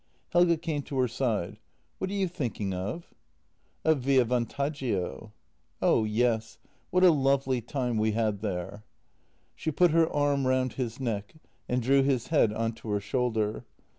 Helge came to her side :" What are you thinking of? "" Of Via Vantaggio." " Oh yes. What a lovely time we had there! " She put her arm round his neck and drew his head on to her shoulder.